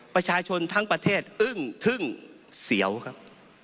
ประชาชนทั้งประเทศอึ้งทึ่งเสียวครับ